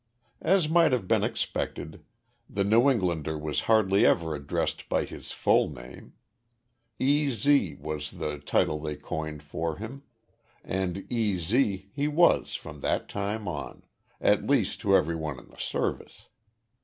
As might have been expected, the New Englander was hardly ever addressed by his full name. "E. Z." was the title they coined for him, and "E. Z." he was from that time on at least to everyone in the Service.